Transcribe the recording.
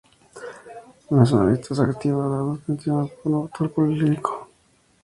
No es una lista exhaustiva, dado que Steinman fue un autor prolífico.